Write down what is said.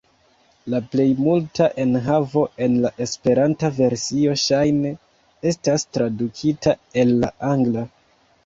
La plej multa enhavo en la Esperanta versio ŝajne estas tradukita el la angla.